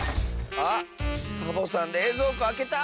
あっサボさんれいぞうこあけた！